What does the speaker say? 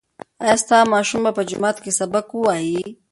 ایا ستا ماشوم په جومات کې سبق وایي؟